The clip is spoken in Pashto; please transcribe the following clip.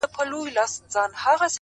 • که سینه ساتې له خاره چي رانه سې ,